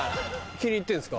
気に入ってんすか？